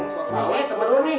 sama sama temen lu nih